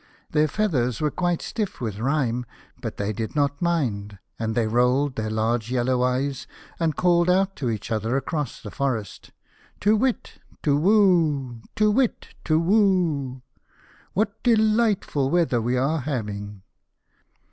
Their feathers were quite stiff with rime, but they did not mind, and they rolled their large yellow eyes, and called out to each other across the forest, "Tu whit ! Tu whoo! Tu whit! Tu whoo! what delightful weather we are having